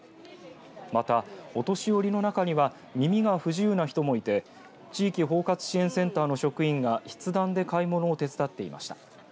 また、お年寄りの中には耳が不自由な人もいて地域包括支援センターの職員が筆談で買い物を手伝っていました。